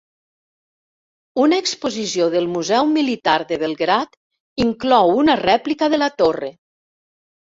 Una exposició del Museu Militar de Belgrad inclou una rèplica de la torre.